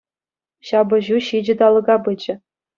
Ҫапӑҫу ҫичӗ талӑка пычӗ.